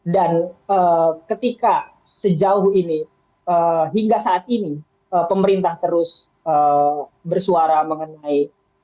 dan ketika sejauh ini hingga saat ini pemerintah terus bersuara mengenai